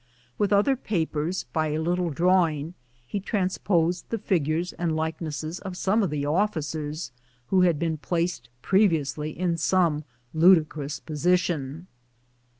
"With other papers, by a little drawing he transposed the figures and likenesses of some of the officers who CARRYING THE MAIL. 123 Lad been placed previonslj in some ludicrous position.